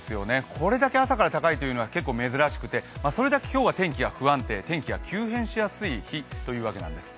これだけ朝から高いというのは結構珍しくて、それだけ今日は天気が不安定、天気が急変しやすい日というわけなんです。